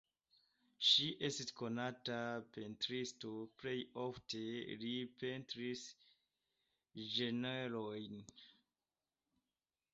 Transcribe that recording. Ŝi estis konata pentristo, plej ofte li pentris ĝenrojn.